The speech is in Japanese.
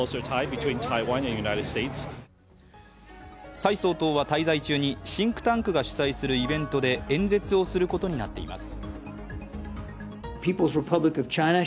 蔡総統は滞在中にシンクタンクが主催するイベントで演説をすることになっています。